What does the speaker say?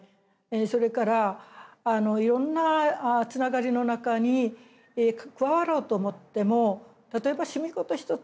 それからいろんなつながりの中に加わろうと思っても例えば趣味ごとひとつ